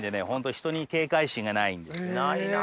ないな。